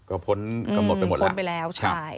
ก็พ้นไปหมดแล้วใช่อืมพ้นไปแล้ว